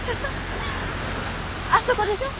あそこでしょ？